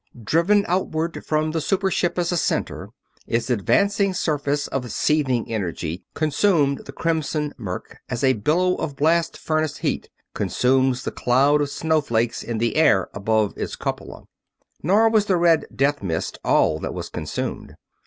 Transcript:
Driven outward from the super ship as a center, its advancing surface of seething energy consumed the crimson murk as a billow of blast furnace heat consumes the cloud of snowflakes in the air above its cupola. Nor was the red death mist all that was consumed.